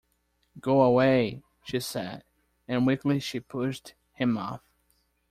“Go away,” she said, and weakly she pushed him off.